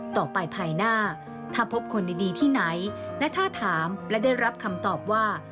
ภายหน้าถ้าพบคนดีที่ไหนและถ้าถามและได้รับคำตอบว่า